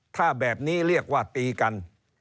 ถ้าแบบนี้เรียกว่าตีกัน